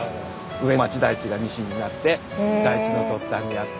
上町台地が西になって台地の突端にあって。